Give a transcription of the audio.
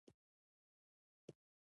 زه ستاسو څارنه کوم چې څوک مو ونه وژني